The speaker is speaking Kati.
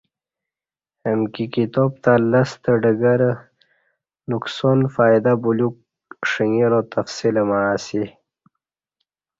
امکی کتاب تہ لستہ ڈگر ،نقصان فائدہ بلیوک ݜنݣرا تفصیل مع اسی